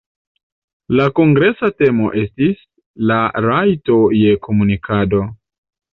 La kongresa temo estis "La rajto je komunikado".